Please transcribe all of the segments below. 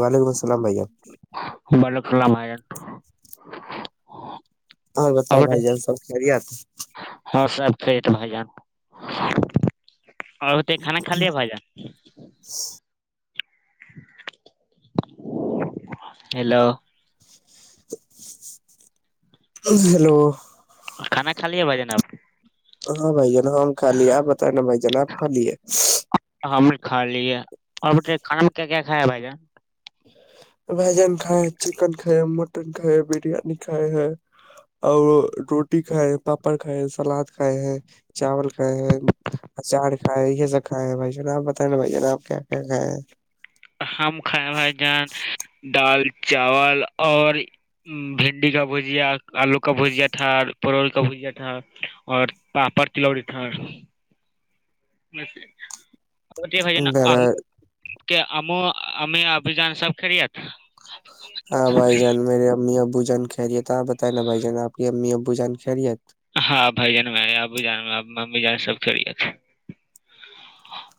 وعلیکم السلام بھیا ہ اور بت بھائی جان سب خری آت اور سب فھرٹ بھائی جانا اور ہوتے کھانا خالییہ با جا ہیلو ہلو کھانا کھا لیا بھ جانا آپ ہاں بھائی ہم ہم خالی ہے آپ بتائے نا بھائی جناب خالی ہے ہم نے کھا لیے اور بیٹے کھانا میں کیا کیا کھایا بھائی جان بھجن کھائے چکن کھائے مٹن کھائے بریانی کھائے ہیں اور روٹی کھائے ہیں پاپڑ کھائے ہیں سلاد کھائے ہیں چاول کھائے ہیں اچار کھائے یہ سب کھائے ہیں بھائی ج آپ بتائیں نا بھائی ج آپ کیا کیا کھائے ہیں ہم کھائے بھائی جان دال چاول اور بھنڈی کا بھجیا آلو کا بھجیا تھھار پرول کا بھجیا تھا اور پاپڑ تلوڑی تھا مس جا ہیں گھر کہ ا امییں ابھی جان سب خرییات ہاں بھائی جان میری امی اب بجن کھل رہیے تو آپ بت نا بھ جان آپ کی امی بوجن کے رہیے آب جان م جان سب کر تھ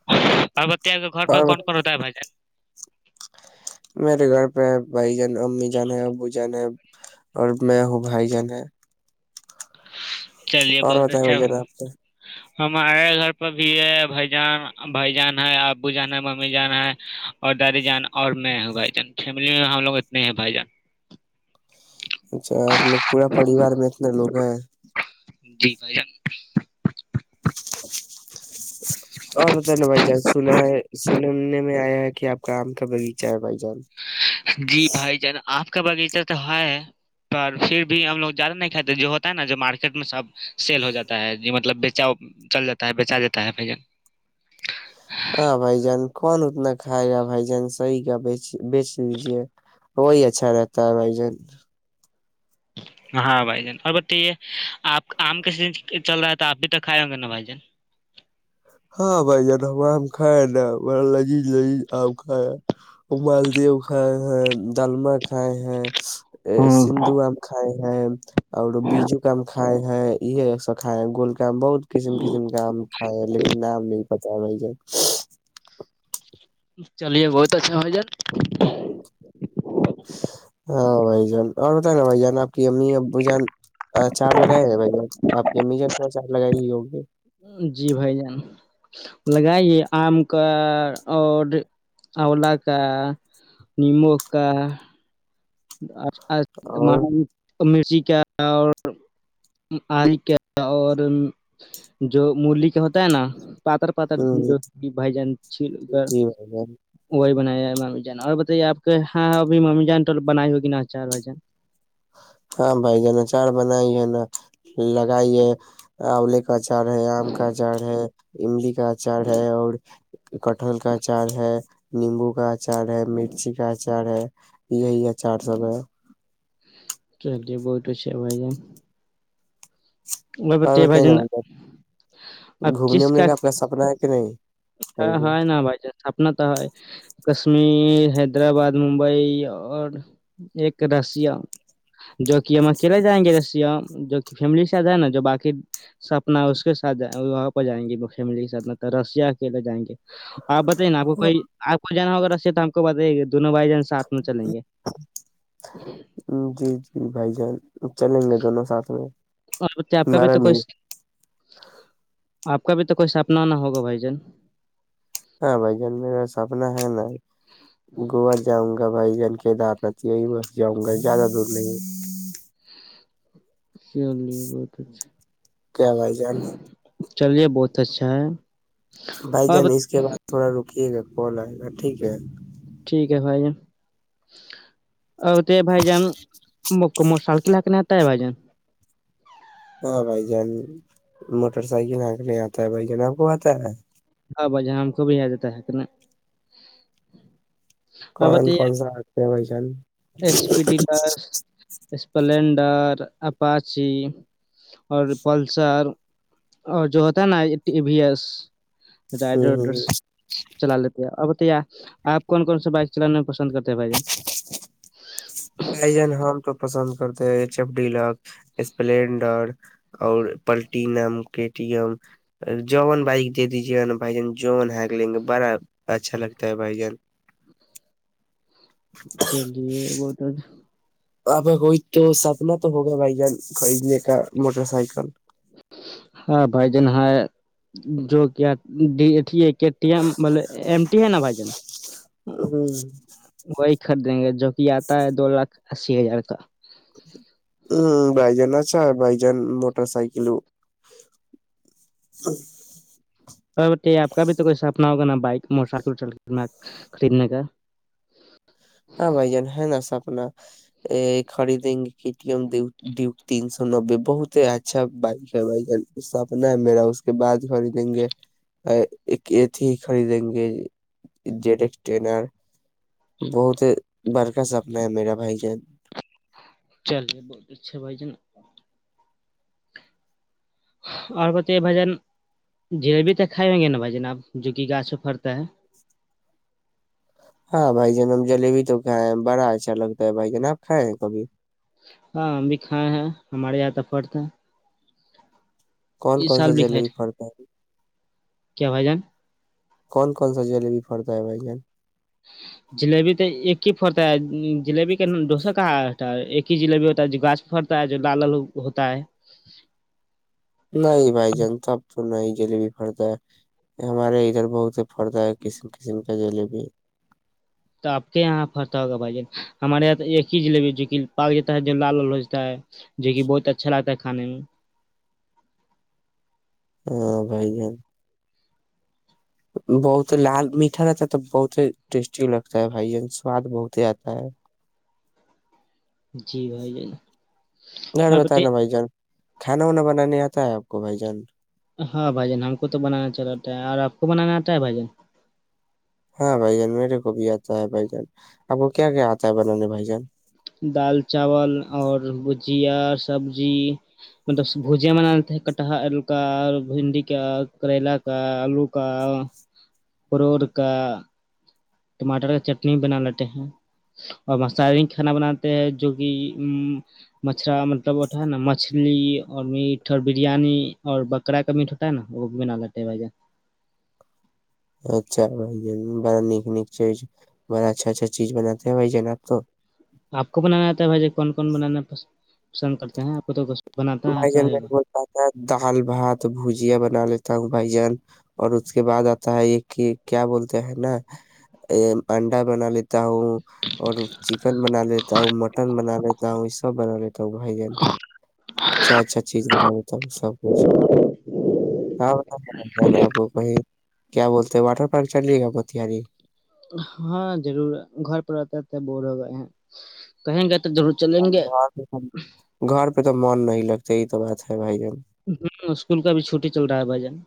آ گھر پ اور کون کو ہدائے با جائے میرے گھر پہ بھائی جانا امی جانا ہے ابو جانا ہے اور میں ہوں بھائی جان ہے چلیے اور بہت بتائیں بھ اچھا ج نے آپ کے ہمارے گھر پہ بھی ہے بھائی جان بھائی جان ہے ابو جانا ہے ممی جانا ہے اور دادی جانا اور میں ہوں بھائی جان فیملی میں ہم لوگ اتنے ہیں بھائی جان اچھا ملوگ پورے پریوار میں اتنے لوگ ہیں جی بھائی جان اور بت نا بھائی جان سنا ہے سننے میں آیا ہے کہ آ کا آم کا بغیچہ ہے بھائی جان جی بھائی جان آپ کا باغیچہ تو ہے پر پھر بھی ہم لوگ زیادہ نہیں کھاتے جو ہوتا ہے نا جو مارکیٹ میں سب سیل ہو جاتا ہے جی م مطلب بیچا چل جاتا ہے بیچا جاتا ہے بھ ہاں بھائی جان کون اتنا کھائے گا بھائی جان صحی کا بی بیچ دیجیے وہی اچھا رہتا ہے بھائی جان ہاں بھائی جان اور بتائیے آپ آم کے س چل رہا ہے تو آپ بھی توک کھائے ہوں گے نا بھائی جان ہاں بھائی جان ہم ہم کائے نا با لذیذ لذیذ آ کائے وہ مالدیو کھائے ہیں ڈالم کھائے ہیں ہاں سندو آم کائے اور بیجو کام کائے ہیں یہ سا کائے گول بہت کسم کسم کام کائے نہیں پتا بائی چلیے بہت اچھا ہو جان ہاں بھائی جان اور بت نا بھائی جان آپ کی امی ابو جان چار لگائے ہیں بھائی جان آپ کی امی جان تھوڑا چار لگائی ہی ہوگی جی بھائی جان لگائیے آم کا اور اولا کا نیممبو کا اچھا اور [inaudible] مرچی کا اور آر کا اور جو ملی کا ہوتا ہے نا پاتر پاتر جو جی ب جن چ بھائی جان وہ بنایا ہے ماممی جان اور بتائیے آپ کے ہاں ابھی ممی جان ٹل بنائی ہوگی نا چار وزن ہاں بھائی جنا چاڑ بناائی ہے نا لگائیے [inaudible] کا جاڑ ہے آم کا جاڑ ہے [inaudible] کا اچار ہے اور کٹہل کا اچار ہے نیمبو گاچھ آچار ہے مرچی کا آچار ہے یہی آچار سب ہے چلیے بہ تو بائی جان اور بتائیے اورر بھائی ن جان م گھومنے انے کا اپ کا سپنا ہے کہ نہیں کہیں ہاں ہے پہ ن بائی سپنا تو ہے کشمیر حیدرآباد ممبئی اور ایک راسیا جو کہ ہم اکیلےائیں گے جو فیم کےاتھ نا جو باقی سپنا ہے اس کے سات وہاں پہ جائیں گی فیملی کے سھ رشیا کل جائیں گے آپ بتائیے نا آپ کو کئی آپ کو جان ہوگا سے تو ہم کو بےائی گے دونوں بھائی جان ساتھ میں چلیں گے جی جی بھائی جان چلیں گے دونوں ساتھ میں اور آپ کا بھی ہمارا تو کھ نہیں آپ کا بھی تو کوئی سپنا نہ ہوگا بھائی جان ہاں بائی جانم سپنا ہے نا گوا جاؤں گا بھائی جن کے دار میں یہی بس جاؤں گا زیادہ دور نہیں چ بہت اچھا کیا بھائی جان چلیے بہت اچھا ہے بھائی اور جان بت- اس کے بعد تھوڑا رکیے گا کال آئے گا ٹھیک ہے ٹھیک ہے بھائی او تو بھائی جام م م سال کی لکنے آتا ہے بھ جن ہاں بھائی جان موٹر سائیکل آکنے آتا ہے بھائی جان آپ کو آتا ہے ہاں ب ج ہم کوب آیادتا ہے کہنا کون کون سا رگتے ہیں بھائی چان H P deluxe Splendor Apache اور پلسر اور جو ہوتا ہے نا ٹی وی ایس رائڈر وڈر چلا لیتے ہے ا آپ کون کون سا بائک چلانا پسند کرتے ہیں بھائی جان بائی جان ہمام تو پسند تےچف ڈی اسپلینڈر اور پلٹینمٹیم جون بائک دے دیجے نا بھائی ج جون ہگ لیں گے بڑا اچھا لگتا ہے بھائی جان چلیے وہ تو وہاں پہ کوئی تو سپنا تو ہو گیا بھائی جان کئی نہیں کا موٹر سائیکل ہاں بھائی جان ہے جو کیا م ہے نا بھائی جن وہ خریدیں گے جو کہ آتا ہے دو لاکھ اسی ہزار کا ہ بائی جان آچ بائی جان موٹر سائکلو اور آ کا بھی تو کوئیسا اپنا ہوگا نا بائک موٹر سائیکللنا خریدنے کا ہاں بائی جان ہ نا سپنا خرید م ت سو سو نبے بہت ہی اچھا بائک ہے بھائی اس س اپنا ہے میرا اس کے بعد خریدیں گے ایک ایھی خریدیں گے جیڈ ایکس ٹین آر بہت بر کا سپنا ہے میرا بھائی جان چلے بہت اچھا بھائی ج ن اور بتے بھجن جلیبی تو کھائے ہوں گے نا بھجن اب جوک گاھ و پھرتا ہے ہاں بھائی جان اب جلیبی تو کھائے ہیں بڑا اچھا لگتا ہے بھائی جان آپ کھائے ہیں کبھی ہاں ہم بھی کھائے ہیں ہمارے یہیا ت فرد ہے کون اس کون سا سال بھی کھائے جلیبی تھے پڑتا ہے کیا بائی جان کون کون سا جلیبی پڑتا ہے بھائی جان جلیبی تو ایک ہی پڑتا ہے جلیبی کا ن ڈسا کہاں ہوتا ہے ایک ہی جلیبی ہوتا ہے جو گاچ پھڑتا ہے جو لال لو ہوتا ہے نہیں بھائی جان توب تونا ہی جلیبی پرتا ہے ہمارے ادھر بہت ہی پرتا ہے کسم قسم کا جلیبی تو آپ کے یہاں پرتا ہوگا بھائی جان ہمارے یہاں تو ایک ہی لیی جو کہ پاک جاتا ہے جو لال ل ہو جا ہے جو کہ بہت اچھا لگتا ہے کھے میں ہاں بھائی جان بہت لال میٹھا رہتا ہے تو بہت ہی ٹیسٹی لگتا ہے بھائی جین سواد بہت ہی آتا ہے جی بائی جائےا اور بٹے بتانا بھائی جان کھانا وانا بنانے آتا ہے آپ کو بھائی جان ہاں بھائی جن ہم کو تو بنانا چلا رہتا ہے اور آپ کو بنانا آتا ہے بھائی جن ہاں بھائی جان میرے کو بھی آتا ہے بھائی جان اب کو کیا کیا آتا ہے بنانے بھائی جان دال چاول اور جیا سبزی مطلب بوجے بن دیتے کٹہر کا بھنڈی کا کریلا کا آلو کا پروڑ کا ٹماٹر کا چٹنی بھی بنا لیتے ہیں اور مسی کھانا بناتے ہیں جو کہ مچھھرا مطلب ہوتا ہے نا مچھلی اور میٹ اور بریانی اور بکرا کا میٹ ہوتا ہے نا وہ بھی بنا لیتے ہیں بھائی جان اچھا بھائی ج بڑا نک نک چیز بڑا اچھا اچھا چیز بناتے ہیں بھائی جان آپ تو آپ کو بنانا آتا ہے بھائی ج کون کون بنانا ہے پ پسند کرتے ہیں آپ کو تو بناتا بھائی جن آتا مے ہے گا بولتا تھا دال بھات بھجیا بنا لیتا ہوں بھائی جان اور اس کے بعد آتا ہے یہ کہ کیا بولتے ہیں نا انڈا بنا لیتے تا ہوں اور چکن بنا لیتا ہوں مٹن بنا لیتا ہوں یہ سب بنا لیتا ہوں بھائی جن اچھا اچھا چیز لگ دیتا ہوں سب کچھ ہاں آپ کو کہیں کیا بولتے واٹر پارک چلیے گا پتیاری ہاں ضرور ہے گھر پر رہتا رہتے بور ہو گئے ہیں کہیں گ گ پہ گھر پہ تو من نہیں لگتا یہ تو بات ہے بھائی ہ اسکول کا اب چھٹی چل رہا ہے بھائی جان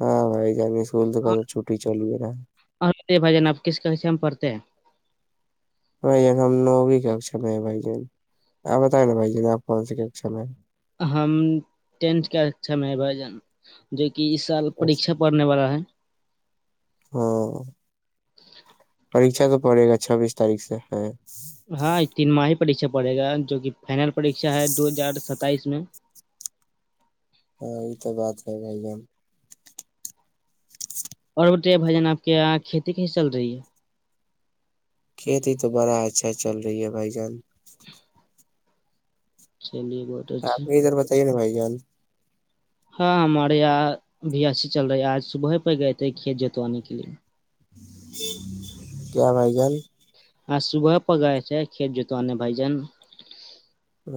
ہاں بھائی جان اسکول تو کا تو چھٹی چل ہی رہا ہے ا بھجن اب کس کہ سے ہم پڑھتے ہیں بھ جن ہم ن ہوگی کاکم میں ہے بھ جن آپ بتائیں نا بائی جن آپ کون سے کےم ہے ہم ٹینٹ کا اچھا میں بھائی جان جو کہ اس سال پیھا پڑھنے والا ہے ہاں پڑ گا چھبیس تاریخ سے ہ ہاں تین ماہ پریھا پڑے گا جو کہ فائنل پر پریشا ہے دو ہزار ستر س تائیس میں ہاں یہ تو بات ہے بھائی جان اور بتے بھ جان آپ کے یہاں کھیتی کیسی چل رہی ہے کھیتی تو بڑا اچھا چل رہی ہے بھائی جان چلیے بہت اچھا آپ نے ادھر بتائیے نا بھائی ان ہاں ہمارے یہاں بھی ایسیھی چل رہی ہے آج صبح پہ گئے تھے کھیت جتوانے کے لیے جی س بائی گل ہاں صبح پ گائے تھ کھیت جوتانے بائی جن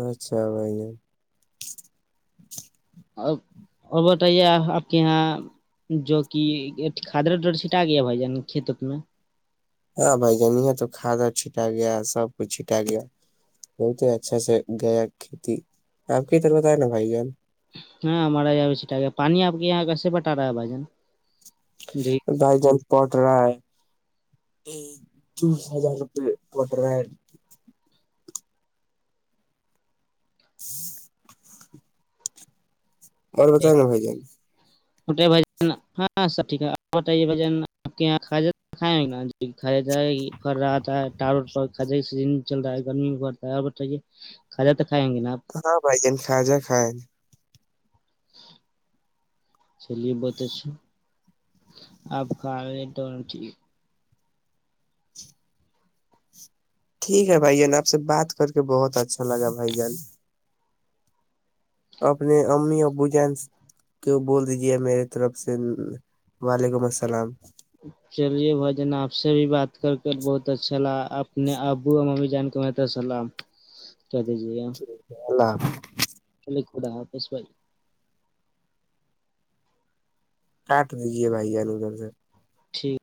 اچھا بائی ج اور اور بتائیے آپ کے یہاں جو کہ کھادر ڈر چھٹا گیا بھائی جان کھیتت میں ہاں بھ جان یہاں تو کھادا چھٹا گیا سب کچ چھٹا گیا بہت ہی اچھا سے گیا کھیتی آپ کے طر بت ہے نا بھائی جان ہاں ہمارا یہاںٹا ہے پانی آپ کے یہاں کیسے بٹا رہا ہے بھائی جان جی بھائی جان پٹرائے یہ دوس ہزار روپے پٹرائے ہ [inaudible] بر بت ہے میں ہو جائے گ چٹے بھ ہاں سب ٹھیک ہے آ بتائیے بھ آپ کے یہاں کھجا کھائیں ناھہ پ رہا تھاٹار کھجہ سیزن چل رہا ہے گرمی میں پڑتا ہے اور بتائیے کھاجاک ہاں بھ جین کا جا کھائے چلیے بت آپ کا ٹھیک ہے بھائی جان آپ سے بات کر کے بہت اچھا لگا بھائی جان اپنے امی ابو جان کو بول دیجیے میرے طرف سے وعلیکم السلام چلیے بھا جن آپ سے بھی بات کر کے بہت اچھا لگا اپپنے ابو اور ممی جان کے تمت اللام کہ دیجیے گا اللہ خدا حافظ بھائی کاٹ دیجے بھائی اللو گھر سے ٹھیک